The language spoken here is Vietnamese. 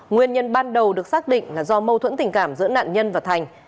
nguyên nhân ban đầu được xác định là do mâu thuẫn tình cảm giữa nạn nhân và thành